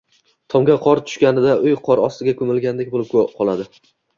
Tomga qor tushganida uy qor ostiga ko`milgandek bo`lib qoladi